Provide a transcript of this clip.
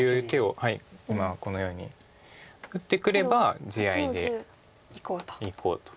はい今このように打ってくれば地合いでいこうと。